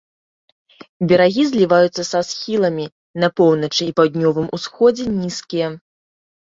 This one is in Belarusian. Берагі зліваюцца са схіламі, на поўначы і паўднёвым усходзе нізкія.